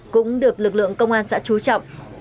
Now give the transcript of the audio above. cũng được lực lượng công an xã trú trọng